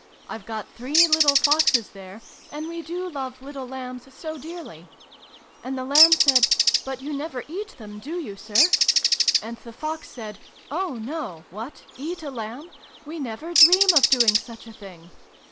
I've got three little Foxes there, and we do love little Lambs so dearly !' And the Lamb said ' But you never eat them, do you, Sir ?' And the Fox said ' Oh, no ! What, eat a Lamb ? We never dream of doing such a thing